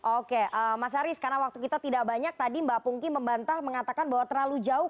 oke mas haris karena waktu kita tidak banyak tadi mbak pungki membantah mengatakan bahwa terlalu jauh